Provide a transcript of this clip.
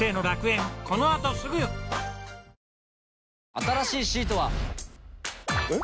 新しいシートは。えっ？